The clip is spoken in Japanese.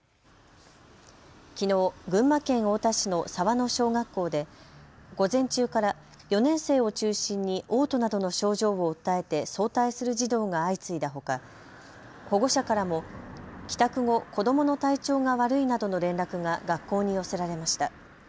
きのう群馬県太田市の沢野小学校で午前中から４年生を中心におう吐などの症状を訴えて早退する児童が相次いだほか保護者からも帰宅後、子どもの体調が悪いなどの連絡が学校に寄せられました。